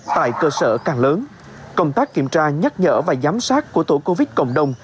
tại cơ sở càng lớn công tác kiểm tra nhắc nhở và giám sát của tổ covid cộng đồng